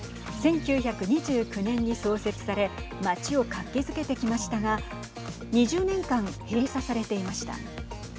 １９２９年に創設され街を活気づけてきましたが２０年間、閉鎖されていました。